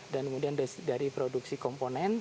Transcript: dan kemudian dari produksi komponen